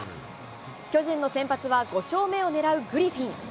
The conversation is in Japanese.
巨人の先発は５勝目を狙うグリフィン。